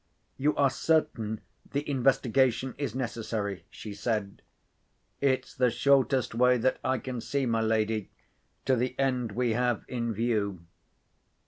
"You are certain the investigation is necessary?" she said. "It's the shortest way that I can see, my lady, to the end we have in view."